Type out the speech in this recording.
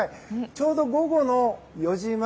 ちょうど午後の４時前。